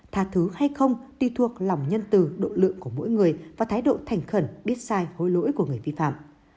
tha thứ hay không tùy thuộc lòng nhân từ độ lượng của mỗi người và thái độ thành khẩn biết sai hối lỗi của người vi phạm